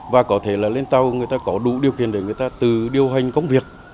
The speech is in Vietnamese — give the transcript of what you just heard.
và có thể là lên tàu người ta có đủ điều kiện để người ta tự điều hành công việc